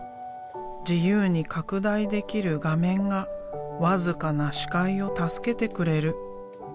自由に拡大できる画面が僅かな視界を助けてくれる。